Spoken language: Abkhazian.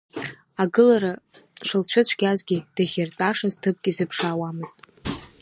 Агылара шылцәыцәгьазгьы, дахьиртәашаз ҭыԥк изыԥшаауамызт.